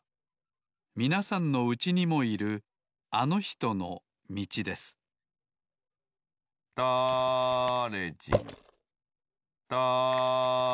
みなさんのうちにもいるあのひとのみちですだれじんだれじん